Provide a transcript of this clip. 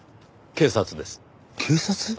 警察！？